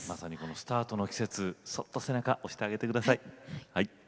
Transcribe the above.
スタートの季節そっと背中を押してあげてください。